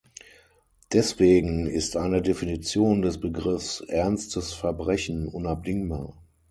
Deswegen ist eine Definition des Begriffs "ernstes Verbrechen" unabdingbar.